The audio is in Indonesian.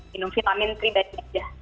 minum vitamin tiga dan ya